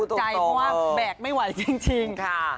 เพราะว่าแบกไม่ไหวจริง